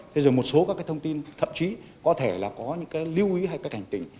thế rồi một số các thông tin thậm chí có thể là có những lưu ý hay cảnh tỉnh